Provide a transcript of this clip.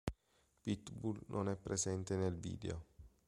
Pitbull non è presente nel video.